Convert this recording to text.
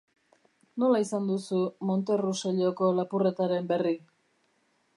Nola izan duzu Monterusselloko lapurretaren berri?